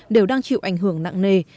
đều đang chịu ảnh hưởng nặng nề